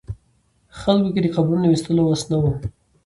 خلکو کې د قبرونو ویستلو وس نه و.